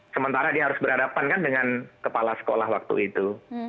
sementara dia harus berhadapan kan dengan kepala sekolah waktu itu